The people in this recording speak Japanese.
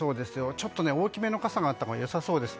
ちょっと大きめの傘があったほうが良さそうです。